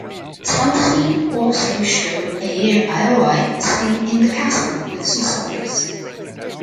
Some scene also show Eir Aoi sing in the castle with some soldiers.